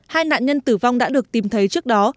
hai nạn nhân tử vong đã được tìm thấy trước đó